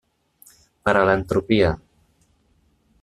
Per a l'entropia.